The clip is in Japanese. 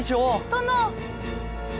殿！